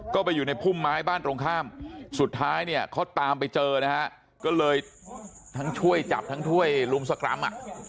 ก็ไปอยู่ในพุ่มไม้บ้านตรงข้ามสุดท้ายเนี่ยเขาตามไปเจอนะฮะก็เลยทั้งช่วยจับทั้งถ้วยลุมสกรรมอ่ะ